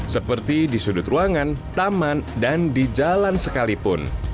seperti di sudut ruangan taman dan di jalan sekalipun